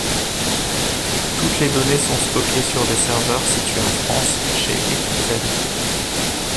Toutes les données sont stockées sur des serveurs situés en France, chez Écritel.